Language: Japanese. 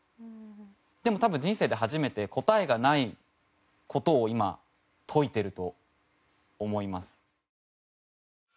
でも多分人生で初めて答えがない事を今解いてると思います。